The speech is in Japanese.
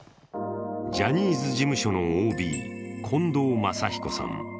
ジャニーズ事務所のＯＢ、近藤真彦さん。